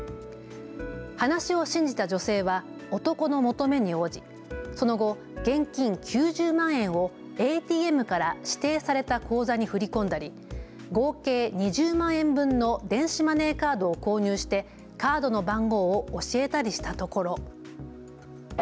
話を信じた女性は男の求めに応じその後、現金９０万円をＡＴＭから指定された口座に振り込んだり、合計２０万円分の電子マネーカードを購入してカードの番号を教えたりしたところ。